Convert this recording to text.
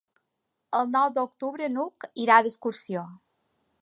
El nou d'octubre n'Hug irà d'excursió.